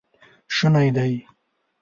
شونی دی